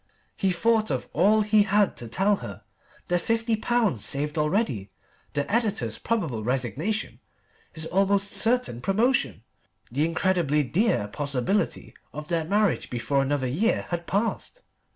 He thought of all he had to tell her. The fifty pounds saved already. The Editor's probable resignation, his own almost certain promotion, the incredibly dear possibility of their marriage before another year had passed.